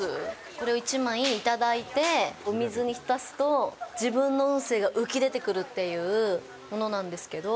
これを１枚いただいてお水に浸すと、自分の運勢が浮き出てくるっていうものなんですけど。